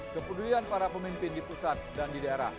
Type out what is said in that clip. kepedulian para pemimpin di pusat dan di daerah